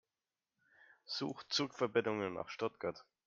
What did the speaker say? Suche Zugverbindungen nach Stuttgart.